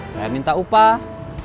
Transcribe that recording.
saya minta upah